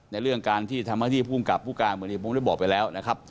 ในเรื่องการที่ธรรมดีภูมิกับภูการเหมือนที่ผมได้บอกไปแล้ว